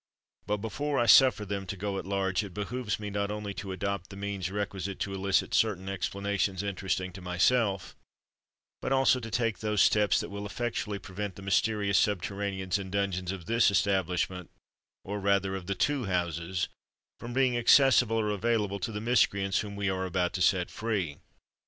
"But, before I suffer them to go at large, it behoves me not only to adopt the means requisite to elicit certain explanations interesting to myself, but also to take those steps that will effectually prevent the mysterious subterraneans and dungeons of this establishment—or rather, of the two houses—from being accessible or available to the miscreants whom we are about to set free.